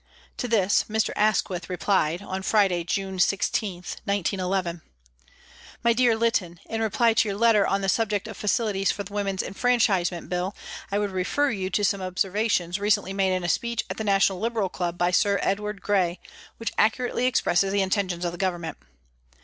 To this Mr. Asquith replied (on Friday, June 16, 1911) :" MY DEAR LYTTON, In reply to your letter on the subject of facilities for the Women's Enfran chisement Bill, I would refer you to some observa tions recently made in a speech at the National Liberal Club by Sir Edward Grey, which accurately express the intentions of the Government.